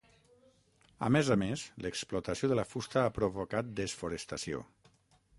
A més a més, l'explotació de la fusta ha provocat desforestació.